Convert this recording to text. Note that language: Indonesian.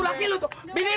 nah enak banget